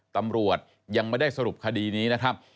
ตำรวจยังไม่ได้สรุปคดีนี้นะครับ